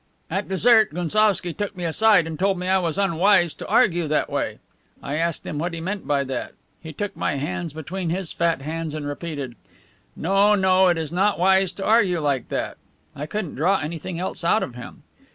"At dessert Gounsovski took me aside and told me I was unwise to 'argue that way.' I asked him what he meant by that. He took my hands between his fat hands and repeated, 'No, no, it is not wise to argue like that.' I couldn't draw anything else out of him.